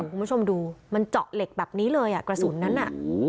คุณผู้ชมดูมันเจาะเหล็กแบบนี้เลยอ่ะกระสุนนั้นน่ะ